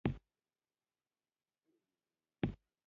خو د پر ځای نقد کولو نتيجه دا شوه چې چاپلوسانو وشکنځلم.